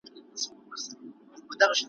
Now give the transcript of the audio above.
د اوښکو لاړ دي له یعقوبه تر کنعانه نه ځي ,